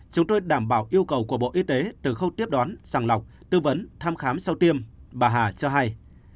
chúng tôi đảm bảo yêu cầu của bộ y tế từ khâu tiếp đón sàng lọc tư vấn thăm khám sau tiêm bà hà cho hay